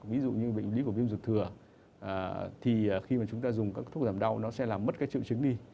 ví dụ như bệnh lý của viêm ruột thừa thì khi mà chúng ta dùng các thuốc giảm đau nó sẽ làm mất cái triệu chứng đi